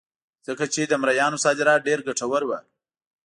ځکه چې د مریانو صادرات ډېر ګټور وو.